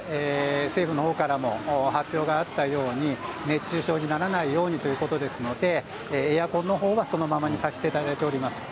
エアコンについては、ここ直近で、政府のほうからも発表があったように、熱中症にならないようにということですので、エアコンのほうはそのままにさせていただいております。